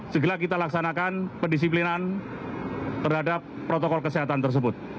segera kita laksanakan pendisiplinan terhadap protokol kesehatan tersebut